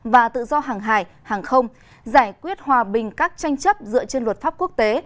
và tự do hàng hải hàng không giải quyết hòa bình các tranh chấp dựa trên luật pháp quốc tế